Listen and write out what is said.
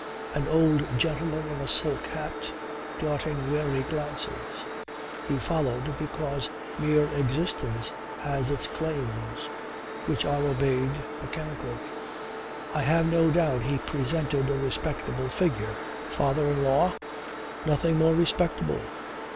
An old gentleman in a silk hat, darting wary glances. He followed, because mere existence has its claims which are obeyed mechanically. I have no doubt he presented a respectable figure. Father in law. Nothing more respectable.